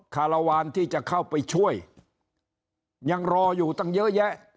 คารวาลที่จะเข้าไปช่วยยังรออยู่ตั้งเยอะแยะ